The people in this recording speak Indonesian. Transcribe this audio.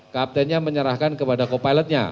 kaptennya menyerahkan kepada co pilotnya